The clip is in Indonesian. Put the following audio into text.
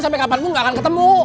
sampai kapanpun nggak akan ketemu